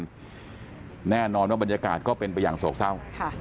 เชิญดวงวิญญาณกันแน่นอนว่าบรรยากาศก็เป็นไปอย่างโศกเศร้า